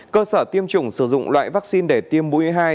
cơ sở tiêm chủng sử dụng loại vaccine để tiêm bui hai